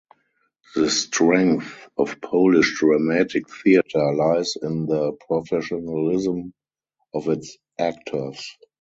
The strength of Polish dramatic theatre lies in the professionalism of its actors.